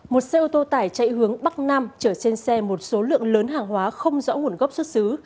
một xe ô tô tải chạy hướng bắc nam chở trên xe một số lượng lớn hàng hóa không rõ nguồn gốc xuất xứ